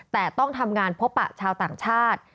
แต่ต้องทำงานพบปะชาวต่างชาติ